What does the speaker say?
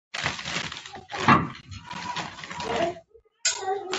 پخوا به د یو توکي ارزښت په څو نورو بیانېده